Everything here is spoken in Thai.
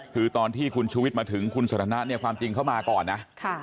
คือตอนที่คุณชูวิทย์มาถึงคุณสันทนะเนี่ยความจริงเข้ามาก่อนนะ